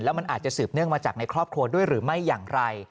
มันอาจจะสืบเนื่องมาจากในครอบครัวด้วยหรือไม่อย่างไร